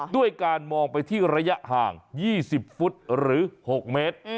ด้วยการมองไปที่ระยะห่าง๒๐ฟุตหรือ๖เมตร